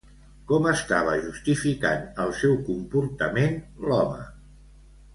Com estava justificant el seu comportament l'home?